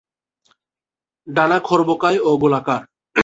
ডানা খর্বকায় ও গোলাকার।